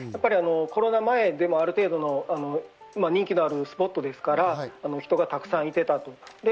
コロナ前でもある程度の人気のあるスポットですから、人がたくさん行っていたと。